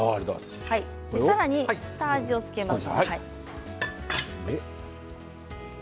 さらに下味を付けます。